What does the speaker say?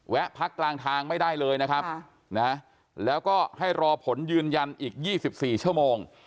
พักกลางทางไม่ได้เลยนะครับแล้วก็ให้รอผลยืนยันอีก๒๔ชั่วโมง